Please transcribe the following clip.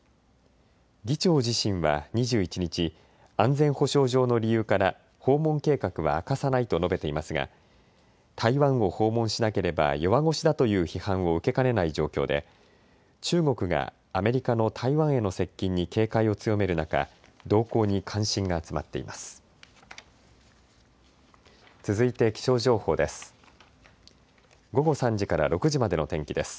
議長自身は２１日、安全保障上の理由から訪問計画は明かさないと述べていますが台湾を訪問しなければ弱腰だという批判を受けかねない状況で中国がアメリカの台湾への接近に警戒を強める中、動向に関心が集まっています。